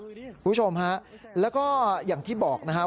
คุณผู้ชมฮะแล้วก็อย่างที่บอกนะครับ